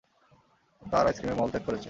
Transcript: তার আইস্ক্রিমে মল ত্যাগ করেছে।